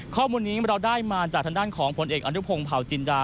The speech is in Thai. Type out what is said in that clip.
ข้อมูลนี้เราได้มาจากทางด้านของผลเอกอนุพงศ์เผาจินดา